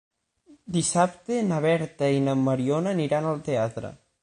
Dissabte na Berta i na Mariona aniran al teatre.